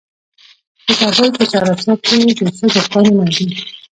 د کابل په چهار اسیاب کې د شګو کانونه دي.